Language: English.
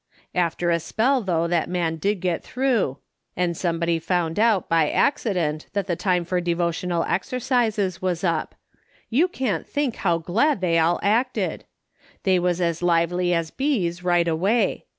After a spell, though, that man did get through, and somebody found out, by accident, that the time for devotional exercises was up. You can't think how glad they all acted ! They was as lively as bees right away.